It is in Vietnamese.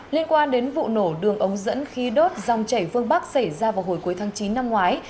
liên quan đến vụ nổ đường ống dẫn khí đốt dòng chảy phương bắc xảy ra vào hồi cuối tháng chín năm ngoái